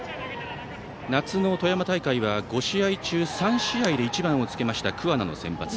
夏の富山大会は５試合中３試合で１番をつけました桑名の先発。